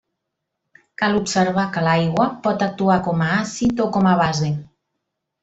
Cal observar que l'aigua pot actuar com a àcid o com a base.